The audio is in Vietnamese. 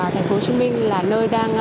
thành phố hồ chí minh là nơi đang